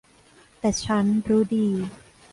แต่ฉันรู้ดี